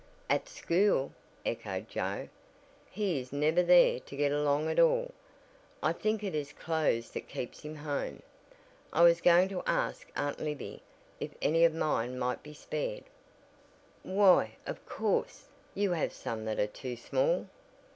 "At school?" echoed Joe, "he is never there to get along at all. I think it is clothes that keeps him home. I was going to ask Aunt Libby if any of mine might be spared " "Why, of course, you have some that are too small.